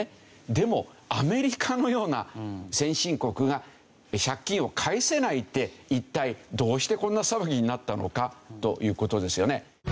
でもアメリカのような先進国が借金を返せないって一体どうしてこんな騒ぎになったのかという事ですよね。